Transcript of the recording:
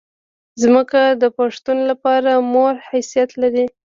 ځمکه د پښتون لپاره د مور حیثیت لري.